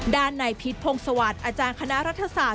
ด้านในพิษพงศวรรค์อาจารย์คณะรัฐศาสต